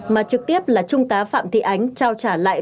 mà trực tiếp là trung tá phạm thị ánh trao trả lại